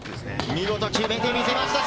見事、決めてきました。